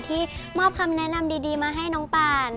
ที่มอบคำแนะนำดีมาให้น้องปาน